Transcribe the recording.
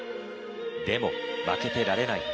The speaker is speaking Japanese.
でも負けてられない